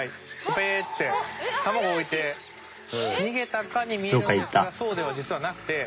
テーッて卵を置いて逃げたかに見えるんですがそうでは実はなくて。